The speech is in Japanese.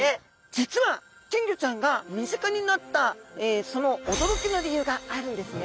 実は金魚ちゃんが身近になったその驚きの理由があるんですね。